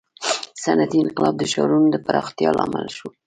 • صنعتي انقلاب د ښارونو د پراختیا لامل شو.